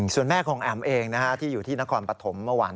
ส่วนแม่ของแอ๋มเองที่อยู่ที่นครปฐมเมื่อวาน